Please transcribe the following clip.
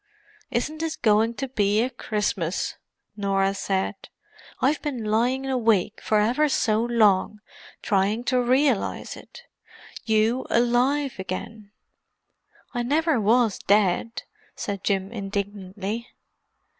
"Isn't this going to be a Christmas!" Norah said. "I've been lying awake for ever so long, trying to realize it. You alive again——" "I never was dead," said Jim indignantly.